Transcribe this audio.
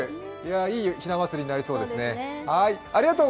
いいひな祭りになりそうですね。